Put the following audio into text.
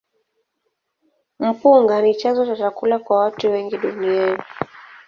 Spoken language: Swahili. Mpunga ni chanzo cha chakula kwa watu wengi duniani.